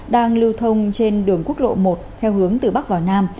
đang lưu thông trên đường quốc lộ một theo hướng từ bắc vào nam